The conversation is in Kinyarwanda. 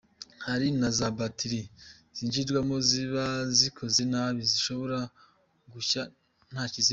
Hari na za batiri z’inyiganano ziba zikoze nabi zishobora gushya nta kizikozeho.